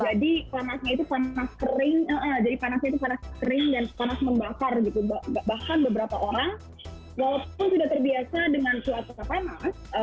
jadi panasnya itu panas kering dan panas membakar gitu bahkan beberapa orang walaupun sudah terbiasa dengan cuaca panas